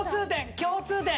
共通点？